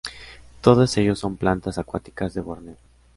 Todos ellos son plantas acuáticas de Borneo.